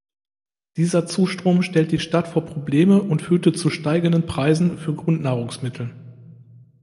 Dieser Zustrom stellt die Stadt vor Probleme und führte zu steigenden Preisen für Grundnahrungsmittel.